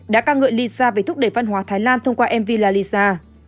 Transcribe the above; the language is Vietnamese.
đã ca ngợi lisa về thúc đẩy văn hóa thái lan thông qua mv lalisa